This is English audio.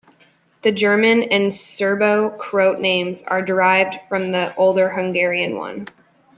The German and Serbo-Croat names are derived from the older Hungarian one.